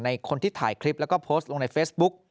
คนที่ถ่ายคลิปแล้วก็โพสต์ลงในเฟซบุ๊ก